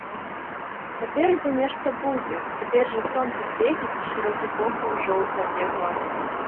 Наперадзе нешта будзе, цяпер жа сонца свеціць, і шырокі поплаў жоўты ад яго.